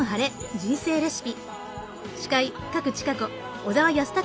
人生レシピ」。